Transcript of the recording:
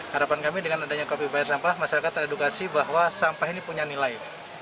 harapan kami dengan adanya kopi bayar sampah masyarakat teredukasi bahwa sampah ini punya nilai